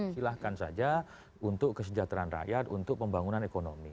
silahkan saja untuk kesejahteraan rakyat untuk pembangunan ekonomi